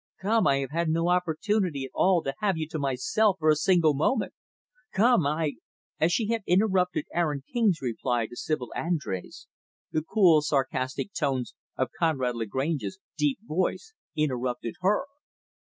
Come, I have had no opportunity, at all, to have you to myself for a single moment. Come, I " As she had interrupted Aaron King's reply to Sibyl Andrés, the cool, sarcastic tones of Conrad Lagrange's deep voice interrupted her.